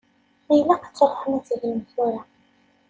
Ilaq ad tṛuḥem ad tegnem tura.